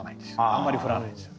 あんまり降らないんですよ。